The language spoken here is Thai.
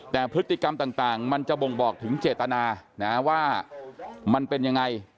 แต่พฤติกรรมต่างมันจะบ่งบอกถึงเจตนานะว่ามันเป็นยังไง